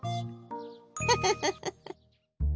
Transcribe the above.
フフフフッ。